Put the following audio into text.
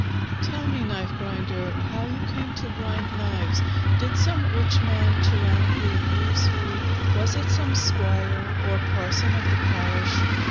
Tell me, Knife grinder, how you came to grind knives? Did some rich man tyrannically use you? Was it some squire? or parson of the parish?